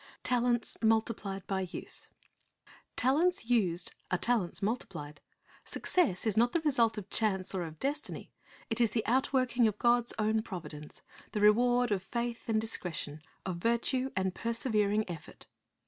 TALENTS MULTIPLIED BY USE Talents used are talents multiplied. Success is not the result of chance or of destiny; it is the outworking of God's own providence, the reward of faith and discretion, of virtue and persevering effort.